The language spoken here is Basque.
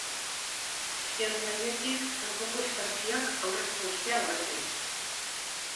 Guzti honen gainetik, kanpoko estalkiak aurreko guztia babesten du.